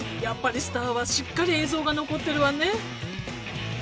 やっぱりスターはしっかり映像が残ってるわね